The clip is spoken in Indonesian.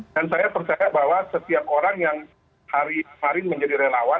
saya percaya bahwa setiap orang yang hari menjadi relawan